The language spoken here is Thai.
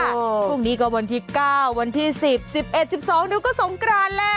พรุ่งนี้ก็วันที่เก้าวันที่สิบสิบเอ็ดสิบสองนี่ก็สมกรรณแล้ว